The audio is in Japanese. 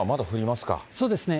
そうですね。